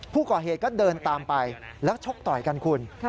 ผู้ก่อเหตุก็เดินตามไปแล้วชกต่อยกันคุณ